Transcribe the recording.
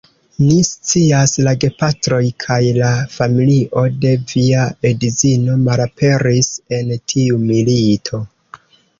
Ni scias, la gepatroj kaj la familio de via edzino malaperis en tiu milito.